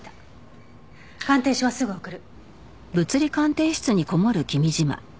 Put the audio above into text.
鑑定書はすぐ送る。